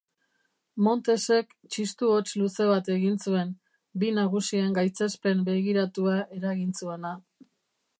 Montesek txistu-hots luze bat egin zuen, bi nagusien gaitzespen-begiratua eragin zuena.